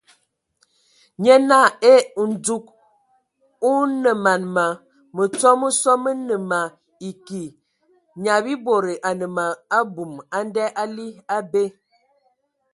Nye naa : Ee ! Ndzug o nǝman ma! Mǝtsɔ mə sɔ mə nǝ ma eki, Nyiabibode a nǝ ma abum a nda ali abe !